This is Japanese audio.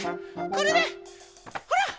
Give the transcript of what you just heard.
これでほら！